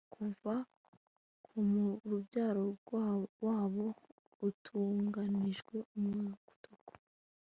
Kuva kumurabyo wabo utunganijwe umutuku